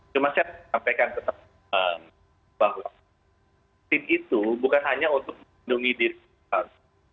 cuma saya sampaikan ke teman teman bahwa vaksin itu bukan hanya untuk menangkap